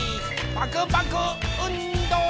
パクパクうんど！